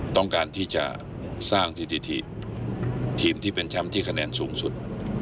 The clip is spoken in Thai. ต้องการที่จะสร้างสิทธิทีมที่เป็นแชมป์ที่คะแนนสูงสุด